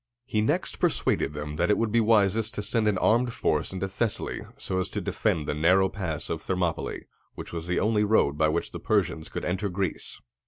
He next persuaded them that it would be wisest to send an armed force into Thessaly, so as to defend the narrow pass of Thermopylæ, which was the only road by which the Persians could enter Greece.